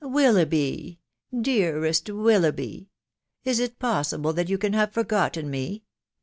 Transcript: " Willoughby !.... dearest Willoughby !.... Is it pos sible that you can have forgotten me?